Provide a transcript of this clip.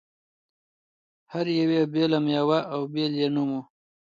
هر یوې بېله مېوه او بېل یې نوم و.